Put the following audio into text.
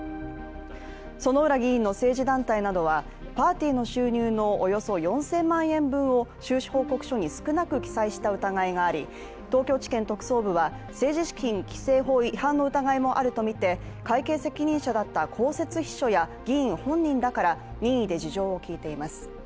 薗浦議員の政治団体などは、パーティーの収入のおよそ４０００万円分を収支報告書に少なく記載した疑いがあり、東京地検特捜部は、政治資金規則法違反の疑いもあるとみて会計責任者だった公設秘書や議員本人らから任意で事情を聴いています。